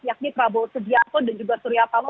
yakni prabowo subianto dan juga suryapalo